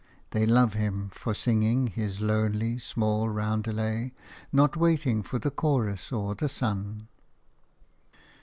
They love him for singing his lonely, small roundelay, not waiting for the chorus or the sun.